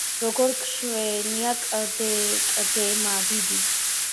როგორ გშვენის კდემა დიდი..